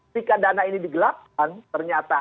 jika dana ini digelapkan ternyata